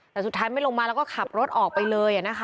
แต่สุดท้ายไม่ลงมาแล้วก็ขับรถออกไปเลย